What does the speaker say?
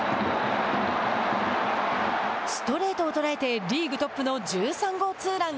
ストレートを捉えてリーグトップの１３号ツーラン。